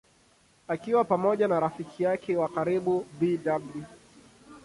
Akiwa pamoja na rafiki yake wa karibu Bw.